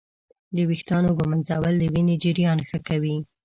د ویښتانو ږمنځول د وینې جریان ښه کوي.